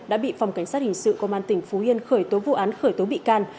đã bị phòng cảnh sát hình sự công an tỉnh phú yên khởi tố vụ án khởi tố bị can